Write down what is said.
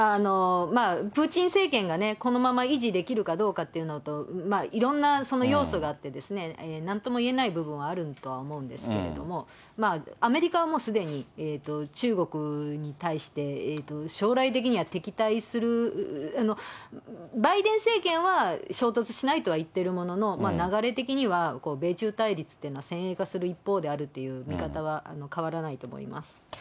プーチン政権がこのまま維持できるかどうかっていうのと、いろんな要素があって、なんとも言えない部分はあるとは思うんですけれども、アメリカはもうすでに、中国に対して、将来的には敵対する、バイデン政権は衝突しないとは言ってるものの、流れ的には米中対立っていうのは先鋭化する一方であるという見方は変わらないと思います。